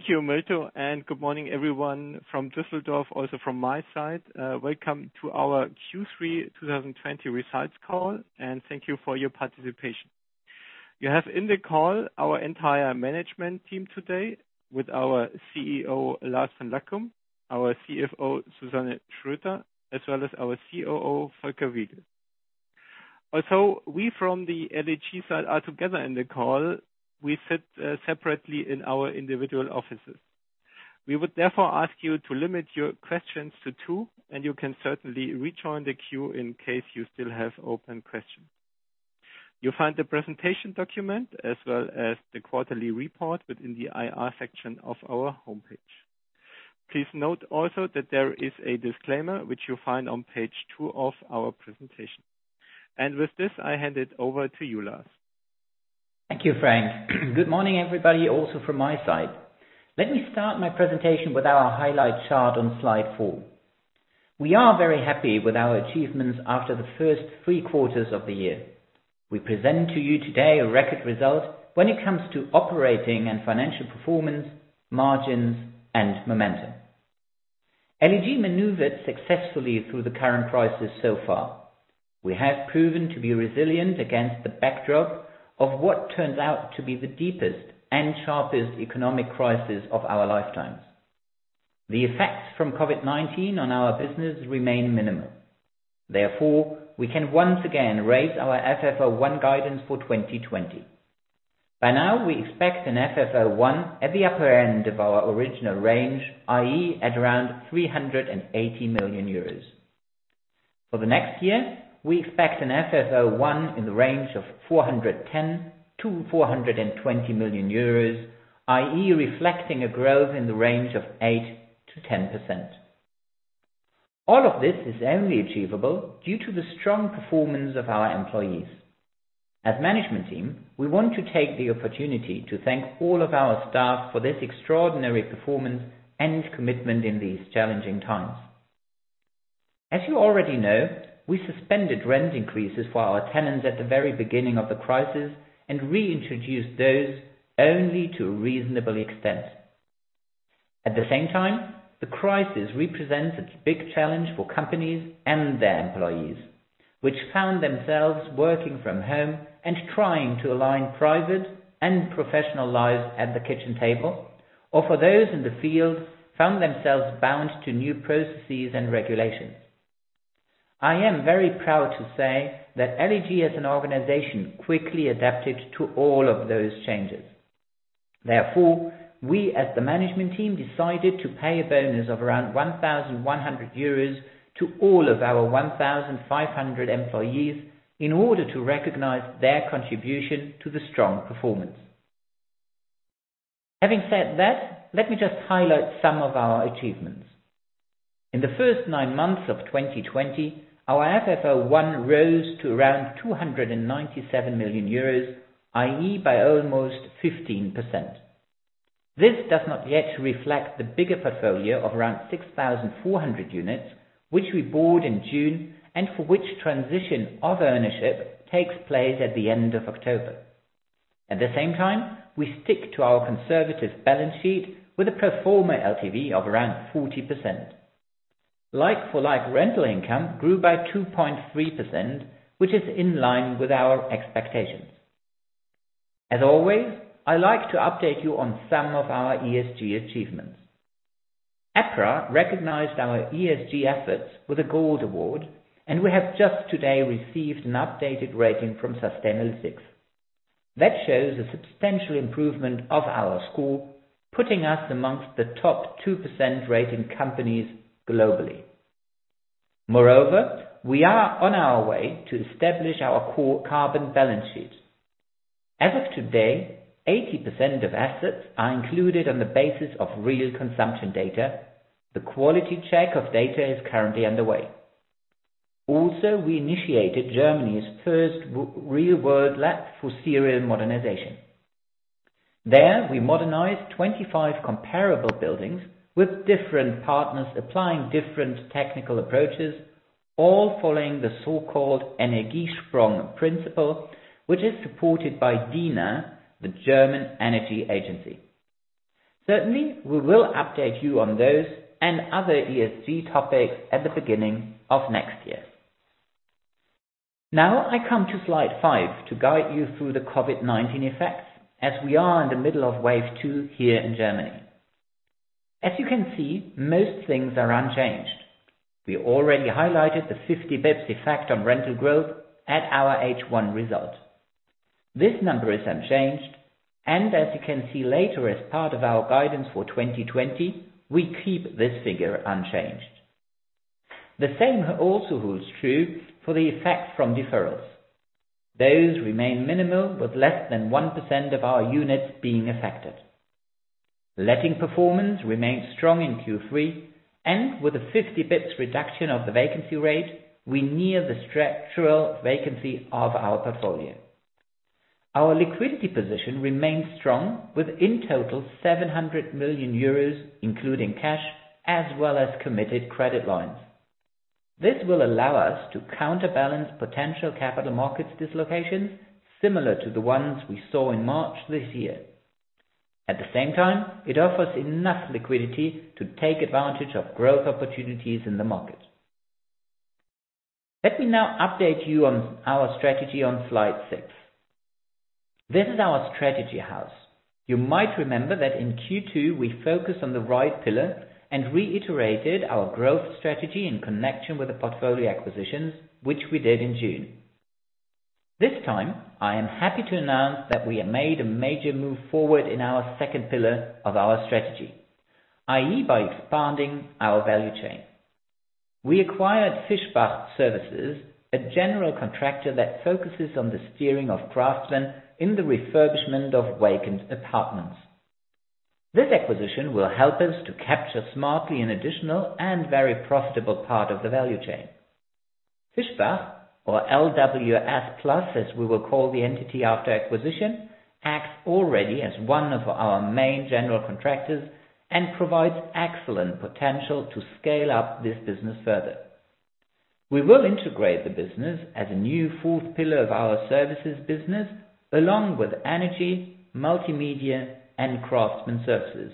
Thank you, Milton. Good morning everyone from Düsseldorf, also from my side. Welcome to our Q3 2020 results call. Thank you for your participation. You have in the call our entire management team today with our CEO, Lars von Lackum, our CFO, Susanne Schröter, as well as our COO, Volker Wiegel. We from the LEG side are together in the call. We sit separately in our individual offices. We would therefore ask you to limit your questions to two. You can certainly rejoin the queue in case you still have open questions. You'll find the presentation document as well as the quarterly report within the IR section of our homepage. Please note also that there is a disclaimer, which you'll find on page two of our presentation. With this, I hand it over to you, Lars. Thank you, Frank. Good morning, everybody, also from my side. Let me start my presentation with our highlight chart on slide four. We are very happy with our achievements after the first three quarters of the year. We present to you today a record result when it comes to operating and financial performance, margins, and momentum. LEG maneuvered successfully through the current crisis so far. We have proven to be resilient against the backdrop of what turns out to be the deepest and sharpest economic crisis of our lifetimes. The effects from COVID-19 on our business remain minimal. Therefore, we can once again raise our FFO 1 guidance for 2020. By now, we expect an FFO 1 at the upper end of our original range, i.e., at around 380 million euros. For the next year, we expect an FFO 1 in the range of 410 million-420 million euros, i.e., reflecting a growth in the range of 8%-10%. All of this is only achievable due to the strong performance of our employees. As management team, we want to take the opportunity to thank all of our staff for this extraordinary performance and commitment in these challenging times. As you already know, we suspended rent increases for our tenants at the very beginning of the crisis and reintroduced those only to a reasonable extent. At the same time, the crisis represents its big challenge for companies and their employees, which found themselves working from home and trying to align private and professional lives at the kitchen table, or for those in the field, found themselves bound to new processes and regulations. I am very proud to say that LEG as an organization quickly adapted to all of those changes. We as the management team decided to pay a bonus of around 1,100 euros to all of our 1,500 employees in order to recognize their contribution to the strong performance. Having said that, let me just highlight some of our achievements. In the first nine months of 2020, our FFO 1 rose to around 297 million euros, i.e., by almost 15%. This does not yet reflect the bigger portfolio of around 6,400 units, which we bought in June and for which transition of ownership takes place at the end of October. At the same time, we stick to our conservative balance sheet with a pro forma LTV of around 40%. Like-for-like rental income grew by 2.3%, which is in line with our expectations. As always, I like to update you on some of our ESG achievements. EPRA recognized our ESG efforts with a Gold Award, and we have just today received an updated rating from Sustainalytics. That shows a substantial improvement of our score, putting us amongst the top 2% rated companies globally. Moreover, we are on our way to establish our core carbon balance sheet. As of today, 80% of assets are included on the basis of real consumption data. The quality check of data is currently underway. Also, we initiated Germany's first real-world lab for serial modernization. There, we modernized 25 comparable buildings with different partners applying different technical approaches, all following the so-called Energiesprong principle, which is supported by dena, the German Energy Agency. Certainly, we will update you on those and other ESG topics at the beginning of next year. Now I come to slide five to guide you through the COVID-19 effects as we are in the middle of wave two here in Germany. As you can see, most things are unchanged. We already highlighted the 50 basis points effect on rental growth at our H1 result. This number is unchanged. As you can see later as part of our guidance for 2020, we keep this figure unchanged. The same also holds true for the effect from deferrals. Those remain minimal with less than 1% of our units being affected. Letting performance remains strong in Q3. With a 50 basis points reduction of the vacancy rate, we near the structural vacancy of our portfolio. Our liquidity position remains strong with in total 700 million euros including cash as well as committed credit lines. This will allow us to counterbalance potential capital markets dislocations similar to the ones we saw in March this year. At the same time, it offers enough liquidity to take advantage of growth opportunities in the market. Let me now update you on our strategy on slide six. This is our strategy house. You might remember that in Q2, we focused on the right pillar and reiterated our growth strategy in connection with the portfolio acquisitions, which we did in June. This time, I am happy to announce that we have made a major move forward in our second pillar of our strategy, i.e., by expanding our value chain. We acquired Fischbach Services, a general contractor that focuses on the steering of craftsmen in the refurbishment of vacant apartments. This acquisition will help us to capture smartly an additional and very profitable part of the value chain. Fischbach, or LWS Plus, as we will call the entity after acquisition, acts already as one of our main general contractors and provides excellent potential to scale up this business further. We will integrate the business as a new fourth pillar of our services business, along with energy, multimedia, and craftsman services.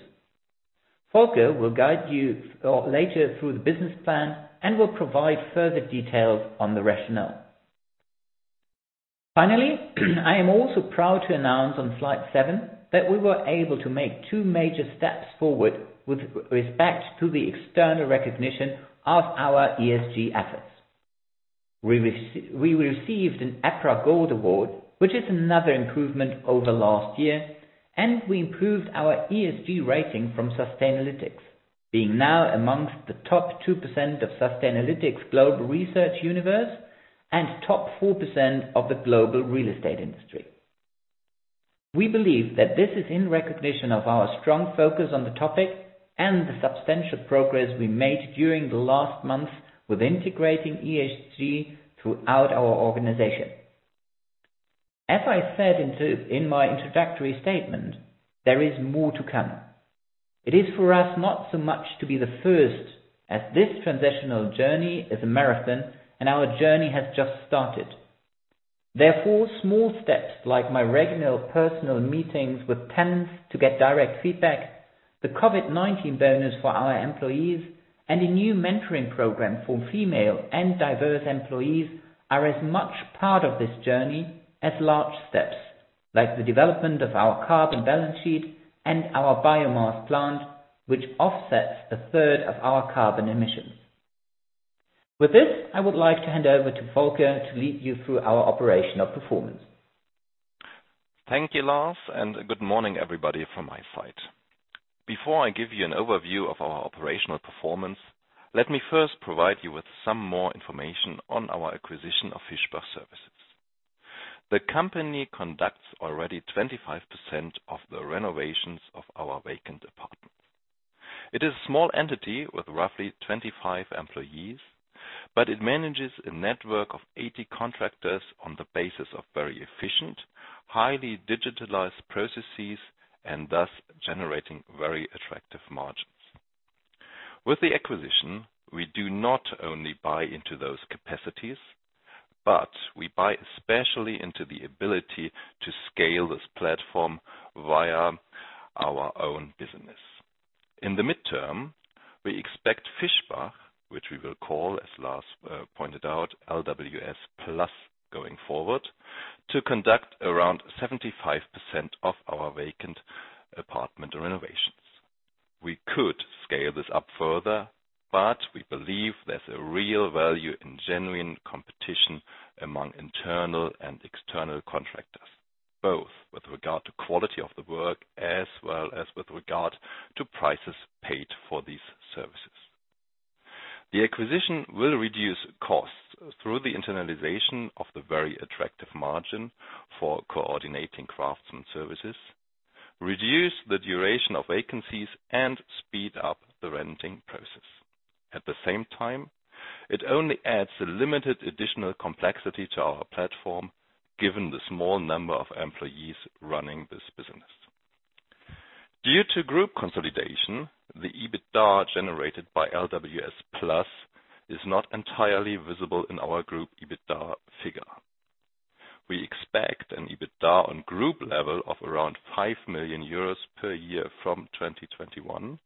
Volker will guide you later through the business plan and will provide further details on the rationale. Finally, I am also proud to announce on slide seven that we were able to make two major steps forward with respect to the external recognition of our ESG efforts. We received an EPRA Gold Award, which is another improvement over last year. We improved our ESG rating from Sustainalytics, being now amongst the top 2% of Sustainalytics global research universe and top 4% of the global real estate industry. We believe that this is in recognition of our strong focus on the topic and the substantial progress we made during the last months with integrating ESG throughout our organization. As I said in my introductory statement, there is more to come. It is for us not so much to be the first, as this transitional journey is a marathon. Our journey has just started. Small steps like my regular personal meetings with tenants to get direct feedback, the COVID-19 bonus for our employees, and a new mentoring program for female and diverse employees are as much part of this journey as large steps, like the development of our carbon balance sheet and our biomass plant, which offsets a third of our carbon emissions. I would like to hand over to Volker to lead you through our operational performance. Thank you, Lars, and good morning, everybody, from my side. Before I give you an overview of our operational performance, let me first provide you with some more information on our acquisition of Fischbach Services. The company conducts already 25% of the renovations of our vacant apartments. It is a small entity with roughly 25 employees, but it manages a network of 80 contractors on the basis of very efficient, highly digitalized processes, and thus generating very attractive margins. With the acquisition, we do not only buy into those capacities, but we buy especially into the ability to scale this platform via our own business. In the midterm, we expect Fischbach, which we will call, as Lars pointed out, LWS Plus going forward, to conduct around 75% of our vacant apartment renovations. We could scale this up further, but we believe there's a real value in genuine competition among internal and external contractors, both with regard to quality of the work as well as with regard to prices paid for these services. The acquisition will reduce costs through the internalization of the very attractive margin for coordinating craftsmen services, reduce the duration of vacancies, and speed up the renting process. At the same time, it only adds a limited additional complexity to our platform, given the small number of employees running this business. Due to group consolidation, the EBITDA generated by LWS Plus is not entirely visible in our group EBITDA figure. We expect an EBITDA on group level of around 5 million euros per year from 2021,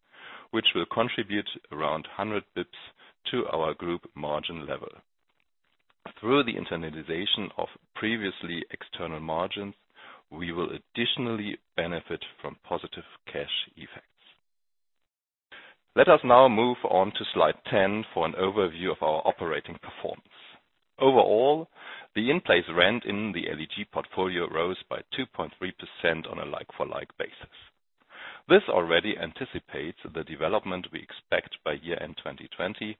which will contribute around 100 basis points to our group margin level. Through the internalization of previously external margins, we will additionally benefit from positive cash effects. Let us now move on to slide 10 for an overview of our operating performance. Overall, the in-place rent in the LEG portfolio rose by 2.3% on a like-for-like basis. This already anticipates the development we expect by year-end 2020,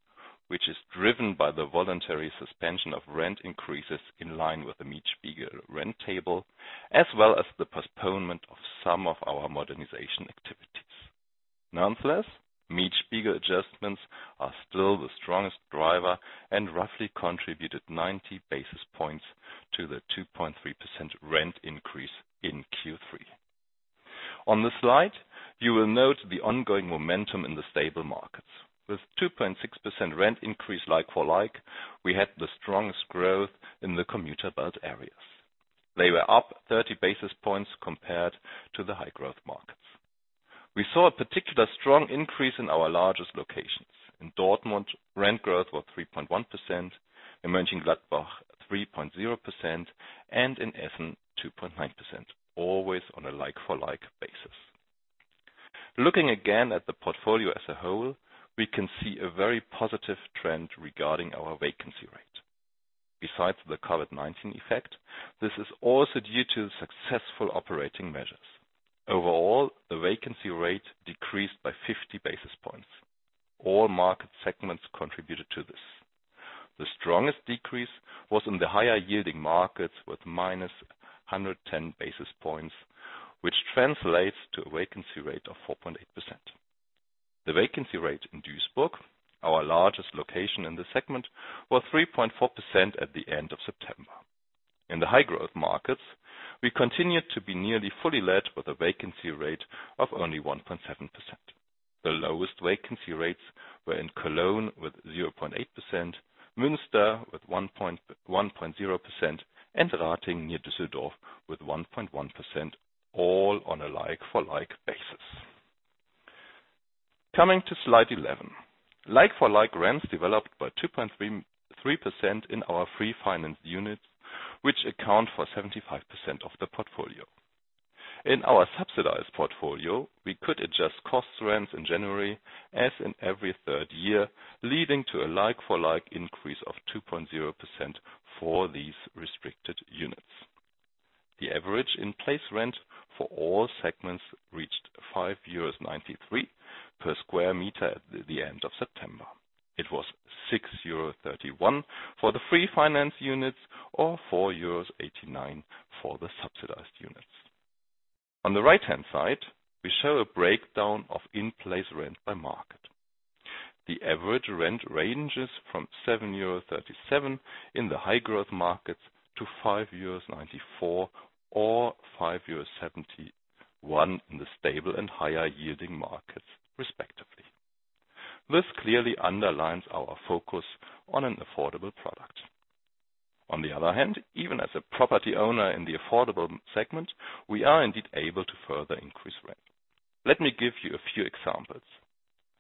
which is driven by the voluntary suspension of rent increases in line with the Mietspiegel rent table, as well as the postponement of some of our modernization activities. Nonetheless, Mietspiegel adjustments are still the strongest driver and roughly contributed 90 basis points to the 2.3% rent increase in Q3. On the slide, you will note the ongoing momentum in the stable markets. With 2.6% rent increase like-for-like, we had the strongest growth in the commuter belt areas. They were up 30 basis points compared to the high growth markets. We saw a particular strong increase in our largest locations. In Dortmund, rent growth was 3.1%, in Mönchengladbach 3.0%, and in Essen 2.9%, always on a like-for-like basis. Looking again at the portfolio as a whole, we can see a very positive trend regarding our vacancy rate. Besides the COVID-19 effect, this is also due to successful operating measures. Overall, the vacancy rate decreased by 50 basis points. All market segments contributed to this. The strongest decrease was in the higher yielding markets with -110 basis points, which translates to a vacancy rate of 4.8%. The vacancy rate in Duisburg, our largest location in the segment, was 3.4% at the end of September. In the high growth markets, we continued to be nearly fully let with a vacancy rate of only 1.7%. The lowest vacancy rates were in Cologne with 0.8%, Münster with 1.0%, and Ratingen near Düsseldorf with 1.1%, all on a like-for-like basis. Coming to slide 11. Like-for-like rents developed by 2.3% in our free finance units, which account for 75% of the portfolio. In our subsidized portfolio, we could adjust cost rents in January as in every third year, leading to a like-for-like increase of 2.0% for these restricted units. The average in place rent for all segments reached 5.93 euros per sq m at the end of September. It was 6.31 euros for the free finance units or 4.89 euros for the subsidized units. On the right-hand side, we show a breakdown of in-place rent by market. The average rent ranges from 7.37 euros in the high growth markets to 5.94 euros or 5.71 euros in the stable and higher yielding markets respectively. This clearly underlines our focus on an affordable product. On the other hand, even as a property owner in the affordable segment, we are indeed able to further increase rent. Let me give you a few examples.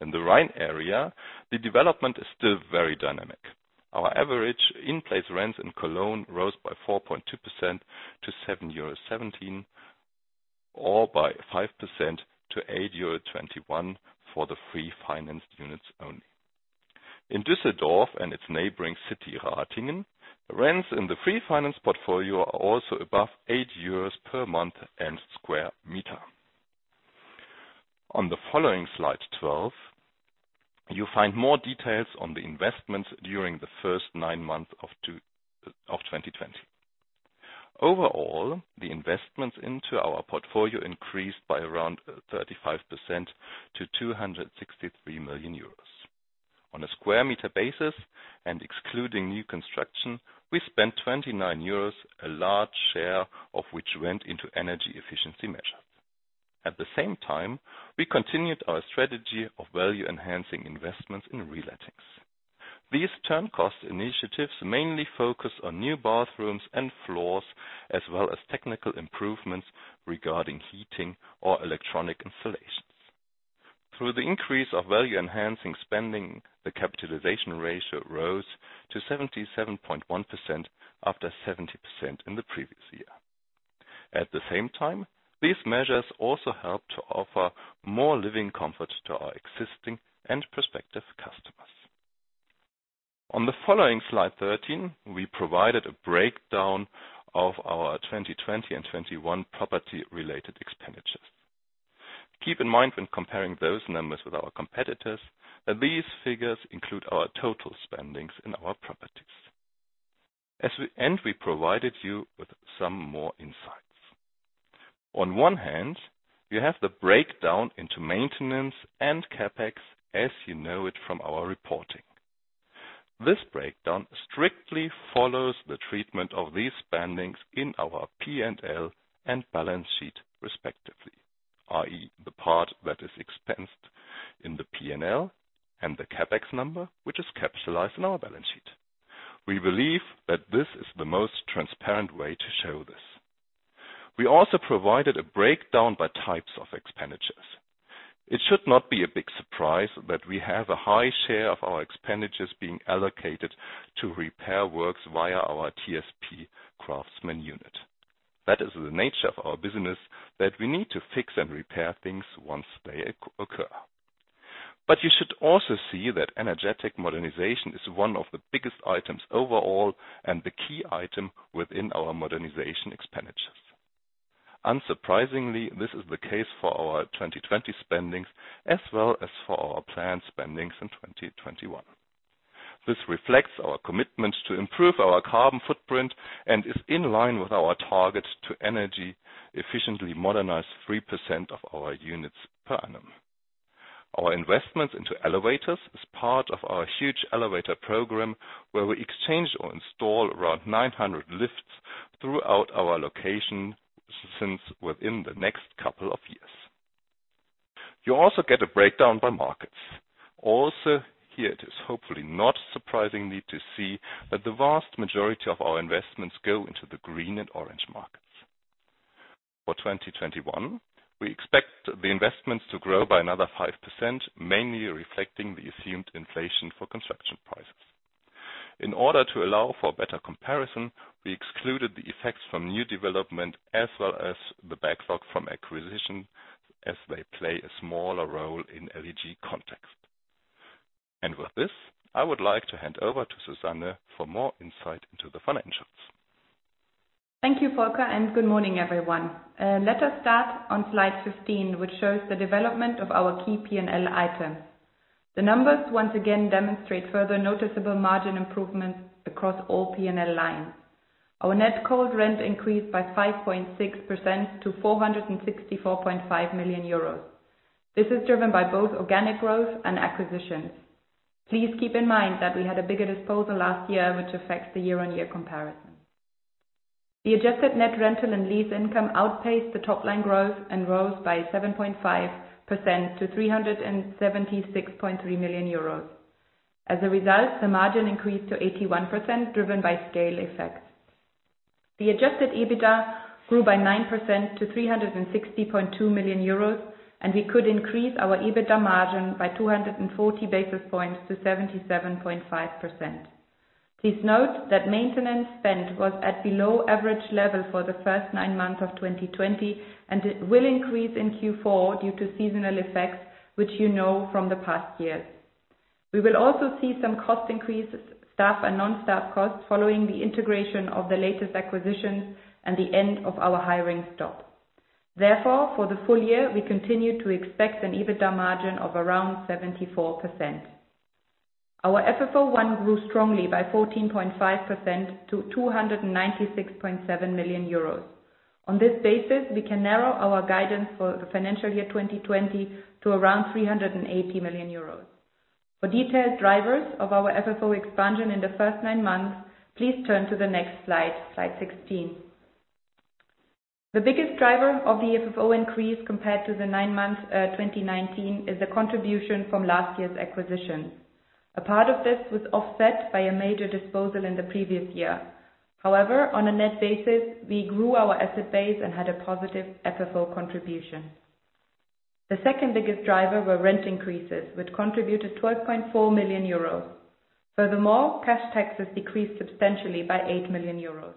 In the Rhine area, the development is still very dynamic. Our average in-place rents in Cologne rose by 4.2% to 7.17 euro or by 5% to 8.21 euro for the free financed units only. In Düsseldorf and its neighboring city, Ratingen, rents in the free finance portfolio are also above 8 euros per month and sq m. On the following slide 12, you'll find more details on the investments during the first nine months of 2020. Overall, the investments into our portfolio increased by around 35% to 263 million euros. On a sq m basis and excluding new construction, we spent 29 euros, a large share of which went into energy efficiency measures. At the same time, we continued our strategy of value enhancing investments in relettings. These turn cost initiatives mainly focus on new bathrooms and floors as well as technical improvements regarding heating or electronic installations. Through the increase of value enhancing spending, the capitalization ratio rose to 77.1% after 70% in the previous year. At the same time, these measures also help to offer more living comfort to our existing and prospective customers. On the following slide 13, we provided a breakdown of our 2020 and 2021 property related expenditures. Keep in mind when comparing those numbers with our competitors that these figures include our total spendings in our properties. As we end, we provided you with some more insights. On one hand, you have the breakdown into maintenance and CapEx as you know it from our reporting. This breakdown strictly follows the treatment of these spendings in our P&L and balance sheet respectively, i.e., the part that is expensed in the P&L and the CapEx number, which is capitalized in our balance sheet. We believe that this is the most transparent way to show this. We also provided a breakdown by types of expenditures. It should not be a big surprise that we have a high share of our expenditures being allocated to repair works via our TSP craftsman unit. That is the nature of our business that we need to fix and repair things once they occur. You should also see that energetic modernization is one of the biggest items overall and the key item within our modernization expenditures. Unsurprisingly, this is the case for our 2020 spendings as well as for our planned spendings in 2021. This reflects our commitment to improve our carbon footprint and is in line with our target to energy efficiently modernize 3% of our units per annum. Our investments into elevators is part of our huge elevator program where we exchange or install around 900 lifts throughout our location within the next couple of years. You also get a breakdown by markets. Also, here it is hopefully not surprising to see that the vast majority of our investments go into the green and orange markets. For 2021, we expect the investments to grow by another 5%, mainly reflecting the assumed inflation for construction prices. In order to allow for better comparison, we excluded the effects from new development as well as the backlog from acquisition, as they play a smaller role in LEG context. With this, I would like to hand over to Susanne for more insight into the financials. Thank you, Volker, and good morning, everyone. Let us start on slide 15, which shows the development of our key P&L item. The numbers once again demonstrate further noticeable margin improvements across all P&L lines. Our net cold rent increased by 5.6% to 464.5 million euros. This is driven by both organic growth and acquisitions. Please keep in mind that we had a bigger disposal last year, which affects the year-on-year comparison. The adjusted net rental and lease income outpaced the top line growth and rose by 7.5% to 376.3 million euros. As a result, the margin increased to 81%, driven by scale effects. The adjusted EBITDA grew by 9% to 360.2 million euros. We could increase our EBITDA margin by 240 basis points to 77.5%. Please note that maintenance spend was at below average level for the first nine months of 2020, and it will increase in Q4 due to seasonal effects, which you know from the past years. We will also see some cost increases, staff and non-staff costs, following the integration of the latest acquisitions and the end of our hiring stop. Therefore, for the full year, we continue to expect an EBITDA margin of around 74%. Our FFO 1 grew strongly by 14.5% to 296.7 million euros. On this basis, we can narrow our guidance for the financial year 2020 to around 380 million euros. For detailed drivers of our FFO expansion in the first nine months, please turn to the next slide 16. The biggest driver of the FFO increase compared to the nine months 2019 is the contribution from last year's acquisition. A part of this was offset by a major disposal in the previous year. However, on a net basis, we grew our asset base and had a positive FFO contribution. The second biggest driver were rent increases, which contributed 12.4 million euros. Furthermore, cash taxes decreased substantially by 8 million euros.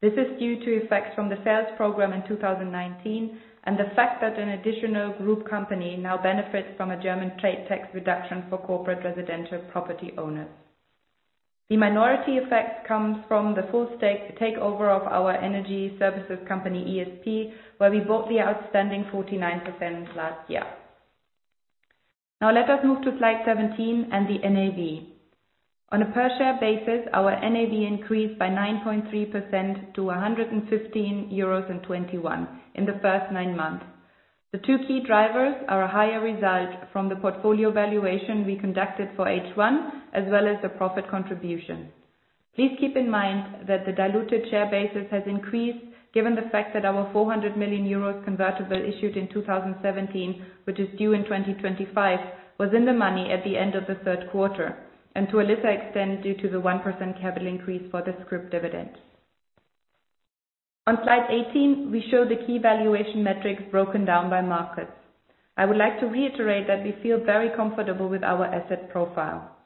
This is due to effects from the sales program in 2019 and the fact that an additional group company now benefits from a German trade tax reduction for corporate residential property owners. The minority effect comes from the full stake takeover of our energy services company, ESP, where we bought the outstanding 49% last year. Now let us move to slide 17 and the NAV. On a per share basis, our NAV increased by 9.3% to 115.21 euros in the first nine months. The two key drivers are a higher result from the portfolio valuation we conducted for H1, as well as the profit contribution. Please keep in mind that the diluted share basis has increased, given the fact that our EUR 400 million convertible issued in 2017, which is due in 2025, was in the money at the end of the third quarter, and to a lesser extent due to the 1% capital increase for the scrip dividend. On slide 18, we show the key valuation metrics broken down by markets. I would like to reiterate that we feel very comfortable with our asset profile.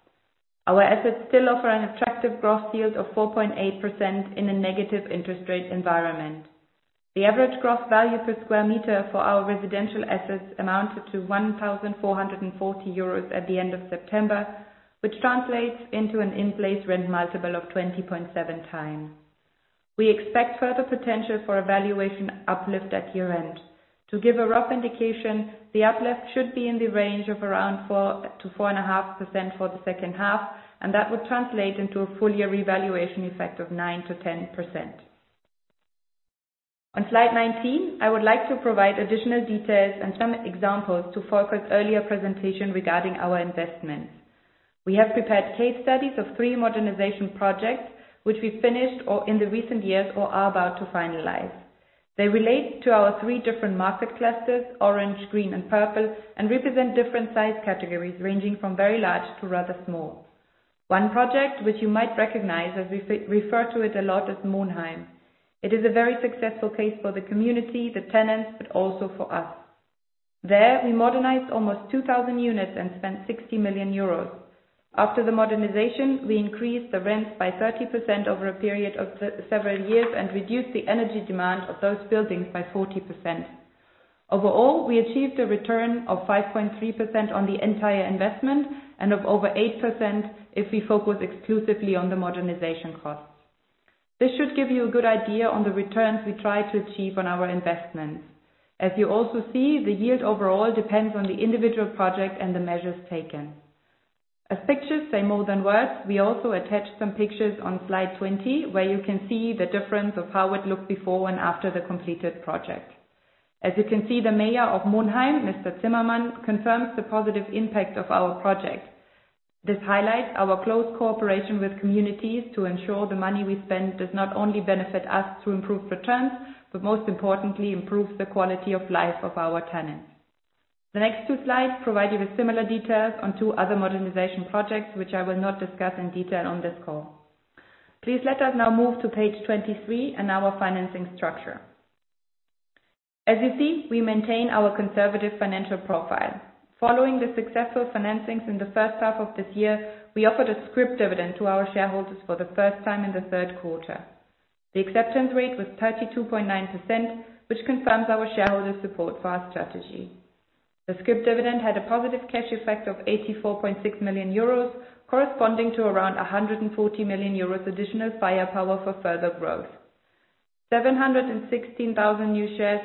Our assets still offer an attractive gross yield of 4.8% in a negative interest rate environment. The average gross value per square meter for our residential assets amounted to 1,440 euros at the end of September, which translates into an in place rent multiple of 20.7x. We expect further potential for a valuation uplift at year-end. To give a rough indication, the uplift should be in the range of 4%-4.5% for the second half, and that would translate into a full year revaluation effect of 9%-10%. On slide 19, I would like to provide additional details and some examples to Volker's earlier presentation regarding our investments. We have prepared case studies of three modernization projects which we finished or in the recent years or are about to finalize. They relate to our three different market clusters, orange, green and purple, and represent different size categories ranging from very large to rather small. One project which you might recognize as we refer to it a lot is Monheim. It is a very successful case for the community, the tenants, but also for us. There, we modernized almost 2,000 units and spent 60 million euros. After the modernization, we increased the rents by 30% over a period of several years and reduced the energy demand of those buildings by 40%. Overall, we achieved a return of 5.3% on the entire investment and of over 8% if we focus exclusively on the modernization costs. This should give you a good idea on the returns we try to achieve on our investments. As you also see, the yield overall depends on the individual project and the measures taken. As pictures say more than words, we also attached some pictures on slide 20 where you can see the difference of how it looked before and after the completed project. As you can see, the mayor of Monheim, Mr. Zimmermann, confirms the positive impact of our project. This highlights our close cooperation with communities to ensure the money we spend does not only benefit us to improve returns, but most importantly, improves the quality of life of our tenants. The next two slides provide you with similar details on two other modernization projects, which I will not discuss in detail on this call. Please let us now move to page 23 and our financing structure. As you see, we maintain our conservative financial profile. Following the successful financings in the first half of this year, we offered a scrip dividend to our shareholders for the first time in the third quarter. The acceptance rate was 32.9%, which confirms our shareholders' support for our strategy. The scrip dividend had a positive cash effect of 84.6 million euros, corresponding to around 140 million euros additional firepower for further growth. 716,000 new shares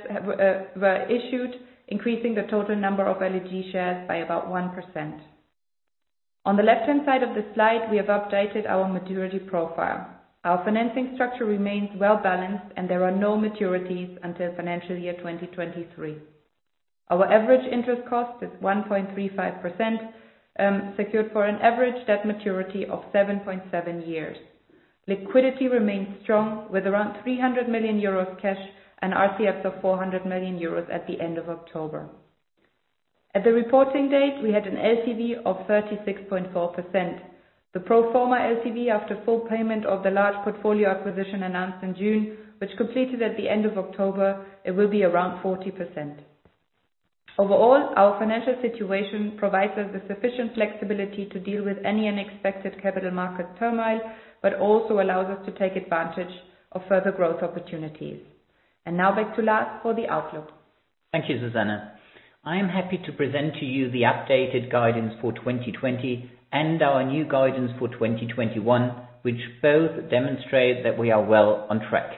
were issued, increasing the total number of LEG shares by about 1%. On the left-hand side of the slide, we have updated our maturity profile. Our financing structure remains well-balanced and there are no maturities until financial year 2023. Our average interest cost is 1.35%, secured for an average debt maturity of 7.7 years. Liquidity remains strong with around 300 million euros cash and RCF of 400 million euros at the end of October. At the reporting date we had an LTV of 36.4%. The pro forma LTV after full payment of the large portfolio acquisition announced in June, which completed at the end of October, it will be around 40%. Overall, our financial situation provides us with sufficient flexibility to deal with any unexpected capital market turmoil, but also allows us to take advantage of further growth opportunities. Now back to Lars for the outlook. Thank you, Susanne. I am happy to present to you the updated guidance for 2020 and our new guidance for 2021, which both demonstrate that we are well on track.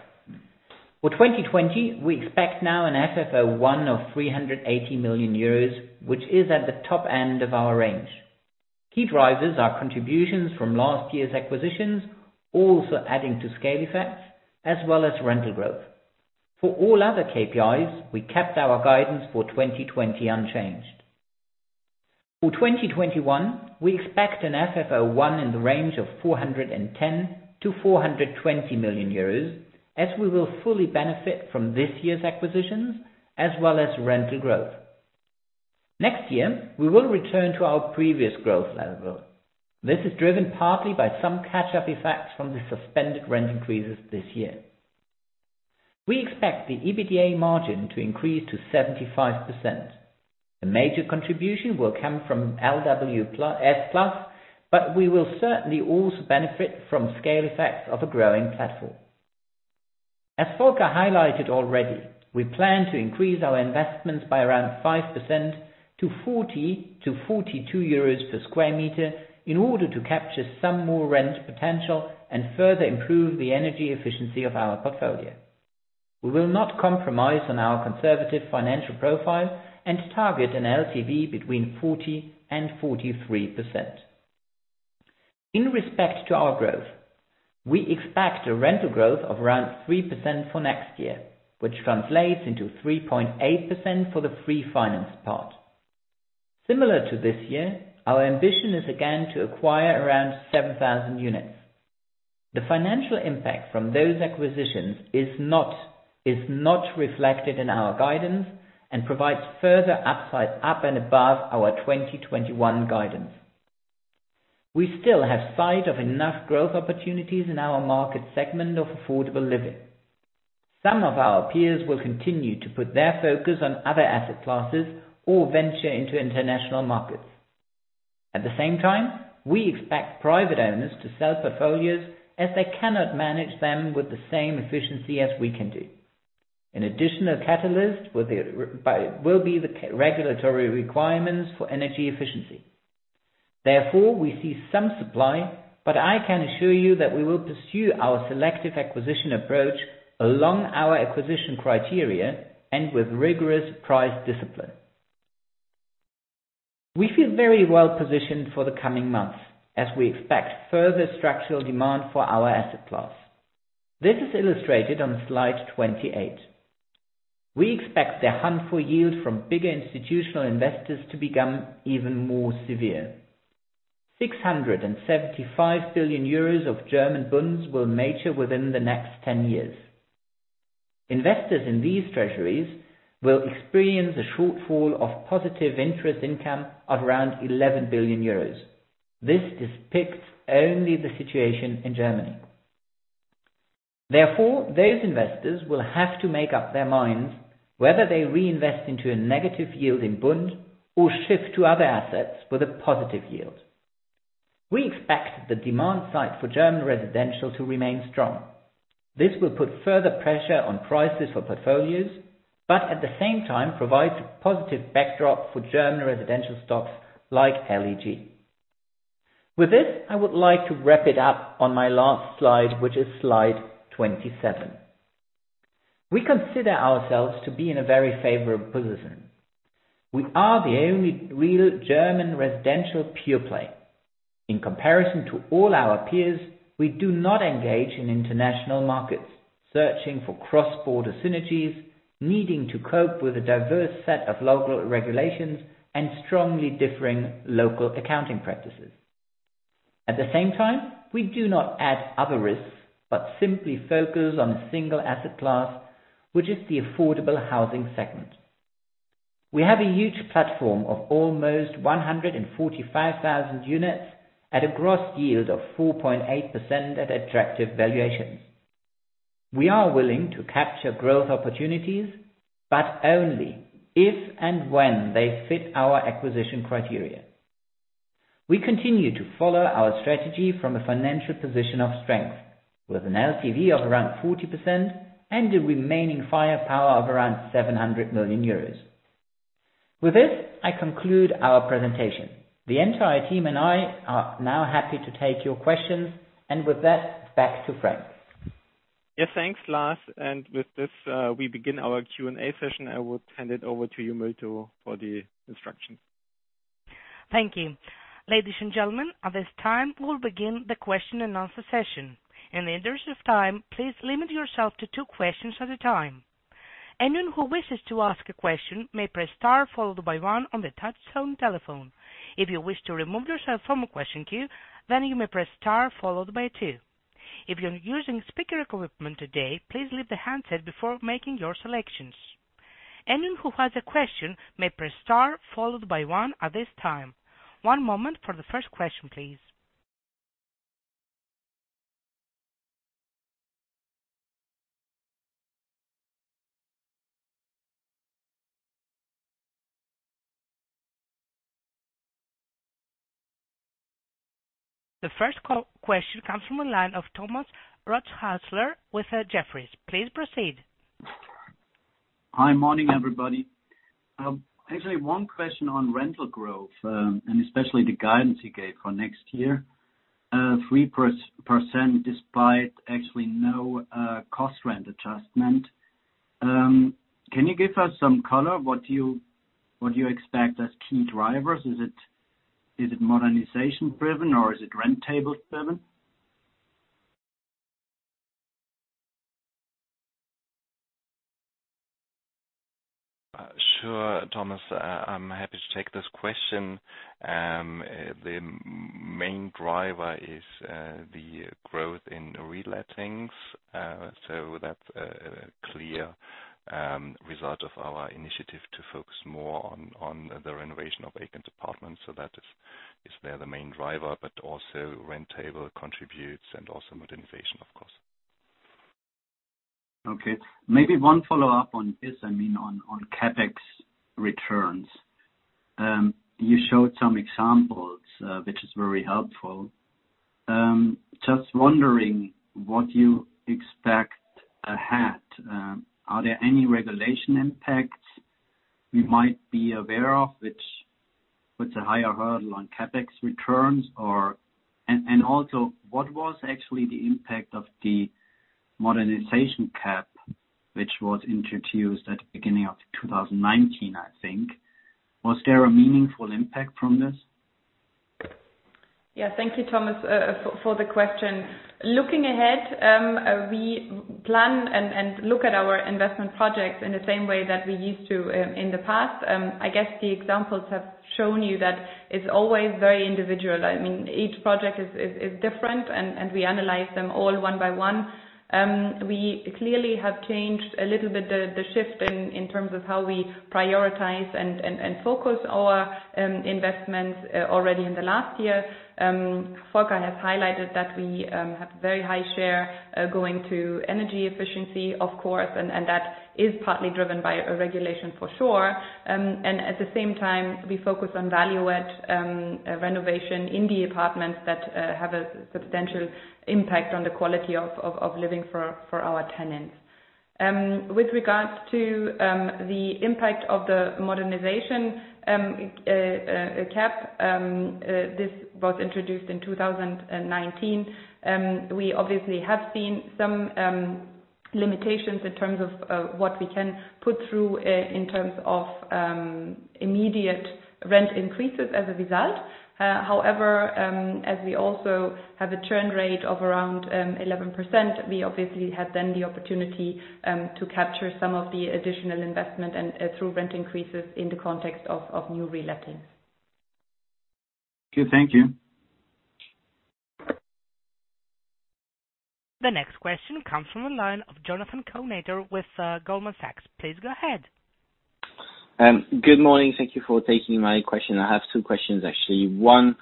For 2020, we expect now an FFO 1 of 380 million euros, which is at the top end of our range. Key drivers are contributions from last year's acquisitions, also adding to scale effects as well as rental growth. For all other KPIs, we kept our guidance for 2020 unchanged. For 2021, we expect an FFO 1 in the range of 410 million-420 million euros as we will fully benefit from this year's acquisitions as well as rental growth. Next year, we will return to our previous growth level. This is driven partly by some catch-up effects from the suspended rent increases this year. We expect the EBITDA margin to increase to 75%. The major contribution will come from LWS Plus, but we will certainly also benefit from scale effects of a growing platform. As Volker highlighted already, we plan to increase our investments by around 5% to 40-42 euros per sq m in order to capture some more rent potential and further improve the energy efficiency of our portfolio. We will not compromise on our conservative financial profile and target an LTV between 40% and 43%. In respect to our growth, we expect a rental growth of around 3% for next year, which translates into 3.8% for the free finance part. Similar to this year, our ambition is again to acquire around 7,000 units. The financial impact from those acquisitions is not reflected in our guidance and provides further upside up and above our 2021 guidance. We still have sight of enough growth opportunities in our market segment of affordable living. Some of our peers will continue to put their focus on other asset classes or venture into international markets. At the same time, we expect private owners to sell portfolios as they cannot manage them with the same efficiency as we can do. An additional catalyst will be the regulatory requirements for energy efficiency. We see some supply, but I can assure you that we will pursue our selective acquisition approach along our acquisition criteria and with rigorous price discipline. We feel very well positioned for the coming months as we expect further structural demand for our asset class. This is illustrated on slide 28. We expect the hunt for yield from bigger institutional investors to become even more severe. 675 billion euros of German Bunds will mature within the next 10 years. Investors in these treasuries will experience a shortfall of positive interest income of around 11 billion euros. This depicts only the situation in Germany. Those investors will have to make up their minds whether they reinvest into a negative yield in Bund or shift to other assets with a positive yield. We expect the demand side for German residential to remain strong. This will put further pressure on prices for portfolios, but at the same time provides a positive backdrop for German residential stocks like LEG. With this, I would like to wrap it up on my last slide, which is slide 27. We consider ourselves to be in a very favorable position. We are the only real German residential pure play. In comparison to all our peers, we do not engage in international markets searching for cross-border synergies, needing to cope with a diverse set of local regulations and strongly differing local accounting practices. At the same time, we do not add other risks, but simply focus on a single asset class, which is the affordable housing segment. We have a huge platform of almost 145,000 units at a gross yield of 4.8% at attractive valuations. We are willing to capture growth opportunities, but only if and when they fit our acquisition criteria. We continue to follow our strategy from a financial position of strength, with an LTV of around 40% and a remaining firepower of around 700 million euros. With this, I conclude our presentation. The entire team and I are now happy to take your questions. With that, back to Frank. Yes, thanks, Lars. With this, we begin our Q&A session. I will hand it over to you, Milton, for the instructions. Thank you. Ladies and gentlemen, at this time, we'll begin the question and answer session. In the interest of time, please limit yourself to two questions at a time. Anyone who wishes to ask a question may press star followed by one on the touchtone telephone. If you wish to remove yourself from a question queue, you may press star followed by two. If you're using speaker equipment today, please leave the handset before making your selections. Anyone who has a question may press star followed by one at this time. One moment for the first question, please. The first question comes from the line of Thomas Rothäusler with Jefferies. Please proceed. Hi. Morning, everybody. Actually, one question on rental growth, and especially the guidance you gave for next year. 3% despite actually no cost rent adjustment. Can you give us some color, what do you expect as key drivers? Is it modernization driven or is it rent table driven? Sure, Thomas, I'm happy to take this question. The main driver is the growth in relettings. That's a clear result of our initiative to focus more on the renovation of vacant departments. That is the main driver, but also rent table contributes and also modernization, of course. Okay. Maybe one follow-up on this, on CapEx returns. You showed some examples, which is very helpful. Just wondering what you expect ahead. Are there any regulation impacts you might be aware of, which puts a higher hurdle on CapEx returns? Also what was actually the impact of the modernization cap, which was introduced at the beginning of 2019, I think. Was there a meaningful impact from this? Yeah. Thank you, Thomas, for the question. Looking ahead, we plan and look at our investment projects in the same way that we used to in the past. I guess the examples have shown you that it's always very individual. Each project is different. We analyze them all one by one. We clearly have changed a little bit the shift in terms of how we prioritize and focus our investments already in the last year. Volker has highlighted that we have a very high share going to energy efficiency, of course, and that is partly driven by a regulation for sure. At the same time, we focus on value add renovation in the apartments that have a substantial impact on the quality of living for our tenants. With regards to the impact of the modernization cap, this was introduced in 2019. We obviously have seen some limitations in terms of what we can put through in terms of immediate rent increases as a result. However, as we also have a churn rate of around 11%, we obviously have then the opportunity to capture some of the additional investment and through rent increases in the context of new relettings. Good. Thank you. The next question comes from the line of Jonathan Kownator with Goldman Sachs. Please go ahead. Good morning. Thank you for taking my question. I have two questions, actually. One,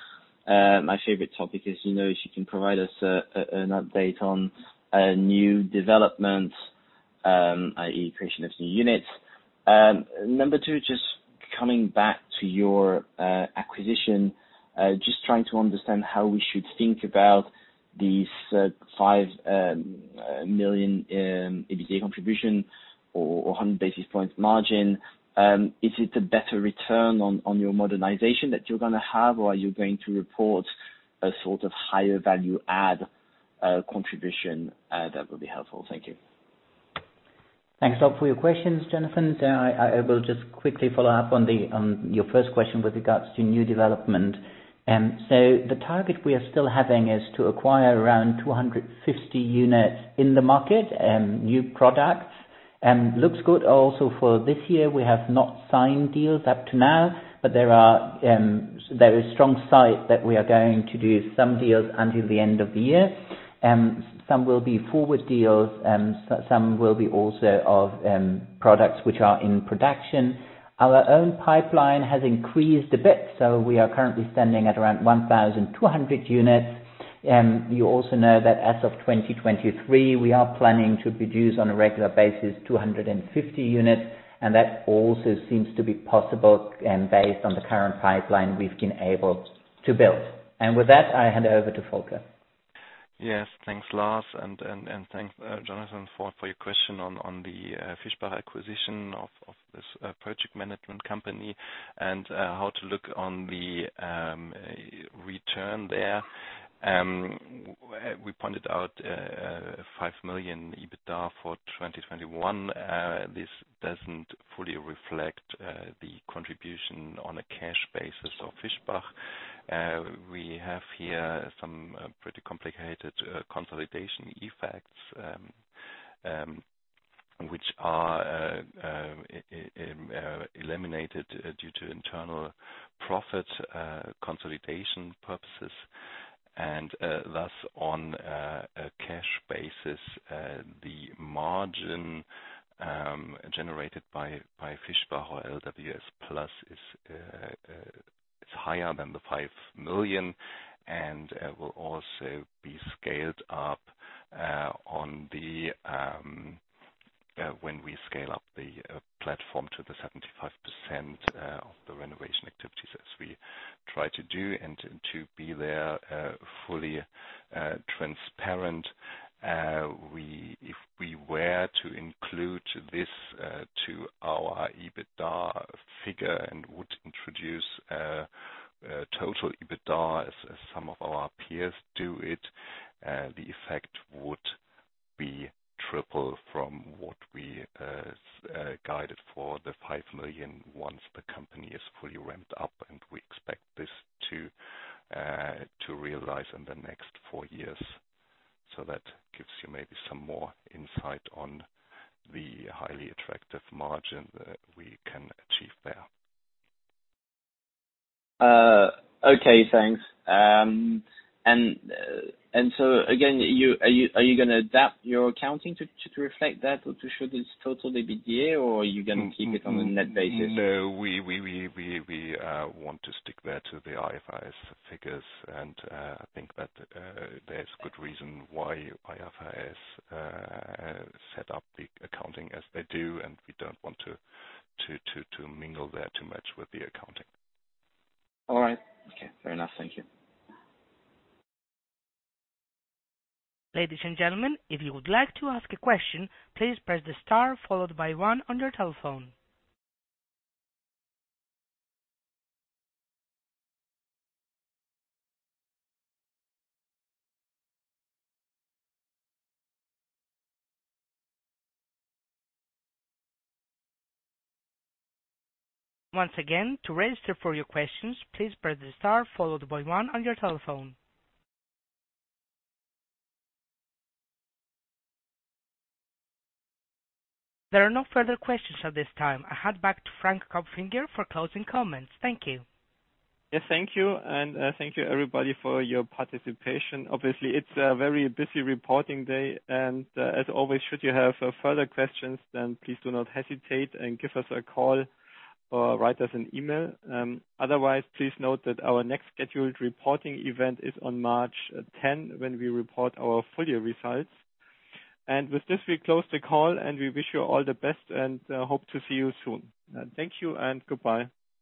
my favorite topic is if you can provide us an update on new development, i.e., creation of new units. Number two, just coming back to your acquisition, just trying to understand how we should think about these 5 million EBITDA contribution or 100 basis points margin. Is it a better return on your modernization that you're going to have, or are you going to report A sort of higher value add contribution that would be helpful. Thank you. Thanks a lot for your questions, Jonathan. I will just quickly follow up on your first question with regards to new development. The target we are still having is to acquire around 250 units in the market, new products. Looks good also for this year. We have not signed deals up to now, but there is strong sight that we are going to do some deals until the end of the year. Some will be forward deals, some will be also of products which are in production. Our own pipeline has increased a bit, so we are currently standing at around 1,200 units. You also know that as of 2023, we are planning to produce on a regular basis, 250 units. That also seems to be possible based on the current pipeline we've been able to build. With that, I hand over to Volker. Yes, thanks Lars, and thanks, Jonathan, for your question on the Fischbach acquisition of this project management company and how to look on the return there. We pointed out a 5 million EBITDA for 2021. This doesn't fully reflect the contribution on a cash basis of Fischbach. Thus, on a cash basis, the margin generated by Fischbach or LWS Plus is higher than the 5 million and will also be scaled up when we scale up the platform to the 75% of the renovation activities as we try to do and to be there fully transparent. If we were to include this to our EBITDA figure and would introduce total EBITDA as some of our peers do it, the effect would be triple from what we guided for the 5 million once the company is fully ramped up, and we expect this to realize in the next four years. That gives you maybe some more insight on the highly attractive margin that we can achieve there. Okay, thanks. Again, are you going to adapt your accounting to reflect that or to show this total EBITDA, or are you going to keep it on a net basis? No, we want to stick there to the IFRS figures, and I think that there's good reason why IFRS set up the accounting as they do, and we don't want to mingle there too much with the accounting. All right. Okay, fair enough. Thank you. Ladies and gentlemen, if you would like to ask a question, please press the star followed by one on your telephone. Once again, to register for your questions, please press the star followed by one on your telephone. There are no further questions at this time. I hand back to Frank Kopfinger for closing comments. Thank you. Yes, thank you, and thank you everybody for your participation. Obviously, it's a very busy reporting day, and as always, should you have further questions, then please do not hesitate and give us a call or write us an email. Otherwise, please note that our next scheduled reporting event is on March 10, when we report our full year results. With this, we close the call, and we wish you all the best and hope to see you soon. Thank you and goodbye.